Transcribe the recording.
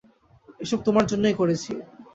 এসব তোমার জন্যই করেছি।